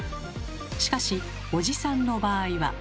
しかしおじさんの場合は。